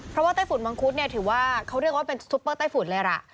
เพราะว่าไต้ฝุ่นมังคุดเนี่ยถือว่าเขาเรียกว่าเป็นซุปเปอร์ไต้ฝุ่นเลยล่ะ